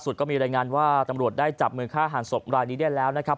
ก็มีรายงานว่าตำรวจได้จับมือฆ่าหันศพรายนี้ได้แล้วนะครับ